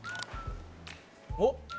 おっ！